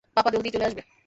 পাপা, জলদিই চলে আসবো।